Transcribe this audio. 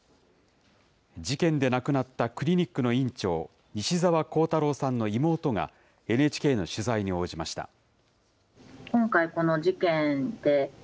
事件で亡くなったクリニックの院長、西澤弘太郎さんの妹が、ＮＨＫの取材に応じました。